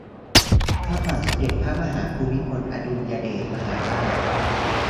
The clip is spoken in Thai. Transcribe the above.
พระบาทสมเด็จพระเจ้าอยู่หัวภูมิพลอดุลยเดชมหาราช